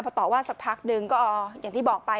พอต่อว่าสักพักหนึ่งก็อย่างที่บอกไป